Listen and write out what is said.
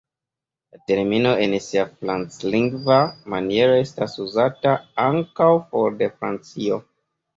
La termino en sia franclingva maniero estas uzata ankaŭ for de Francio.